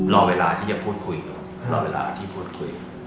รอเวลาที่จะพูดคุย